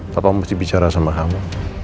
bapak mesti bicara sama kamu